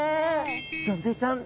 ギョンズイちゃん